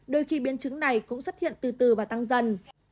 đôi khi biến chứng này cũng xuất hiện từ từ và tăng dần